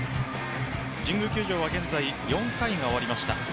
神宮球場は現在４回が終わりました。